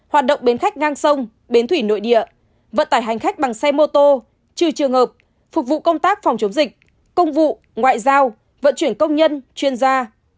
hoạt động bến khách ngang sông bến thủy nội địa vận tải hành khách bằng xe mô tô trừ trường hợp phục vụ công tác phòng chống dịch công vụ ngoại giao vận chuyển công nhân chuyên gia